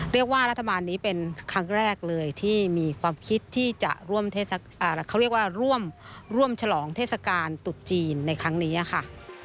เรียกว่ารัฐบาลนี้เป็นครั้งแรกเลยที่มีความคิดที่จะร่วมเทศกาลตุชจีนในครั้งนี้ค่ะ